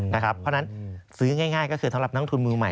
เพราะฉะนั้นซื้อง่ายก็คือสำหรับนักทุนมือใหม่